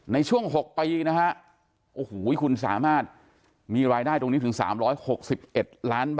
ในช่วงหกปีนะคะโอ้โหคุณสามารถมีรายได้ตรงนี้ถึงสามร้อยหกสิบเอ็ดล้าน